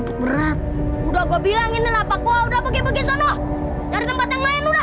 udah gue bilangin apa kau udah pergi pergi sono tempat yang lain udah